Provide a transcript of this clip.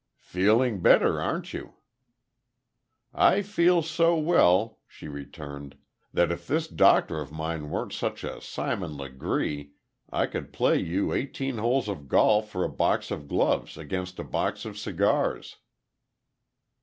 "Feeling better, aren't you?" "I feel so well," she returned, "that if this doctor of mine weren't such a Simon Legree, I could play you eighteen holes of golf for a box of gloves against a box of cigars."